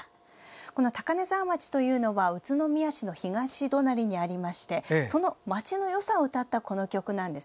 この高根沢町というのは宇都宮の東隣にありましてその町のよさを歌ったこの曲なんです。